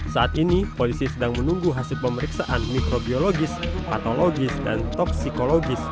saat ini polisi sedang menunggu hasil pemeriksaan mikrobiologis patologis dan top psikologis